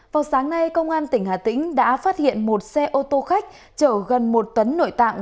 vào sáng nay công an tỉnh hà tĩnh đã phát hiện một xe ô tô khách chở gần một tấn nội tạng